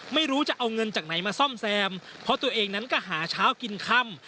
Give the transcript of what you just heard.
ไม่รู้จะเอาเงินจากไหนมาซ่อมแซมเพราะตัวเองนั้นก็หาเช้ากินค่ำ